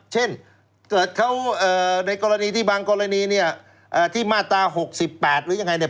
เช่นเกิดเขาในกรณีที่บางกรณีที่มาตรา๖๘หรือยังไง